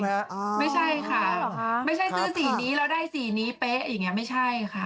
ไม่ใช่ค่ะไม่ใช่ซื้อสีนี้แล้วได้สีนี้เป๊ะอย่างนี้ไม่ใช่ค่ะ